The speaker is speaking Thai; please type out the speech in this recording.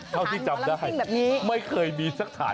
เท่าที่จำได้ไม่เคยมีสักฐาน